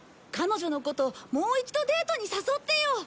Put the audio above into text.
彼女のこともう一度デートに誘ってよ。